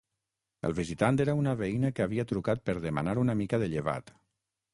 El visitant era una veïna que havia trucat per demanar una mica de llevat.